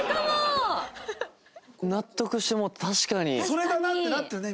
それかな？ってなったよね